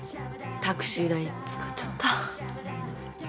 タクシー代使っちゃった。